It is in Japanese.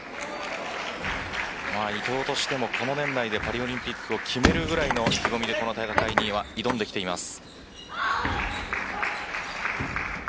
伊藤としても、この年内でパリオリンピックを決めるぐらいの意気込みで、この大会に挑んできています。